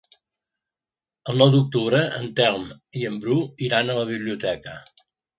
El nou d'octubre en Telm i en Bru iran a la biblioteca.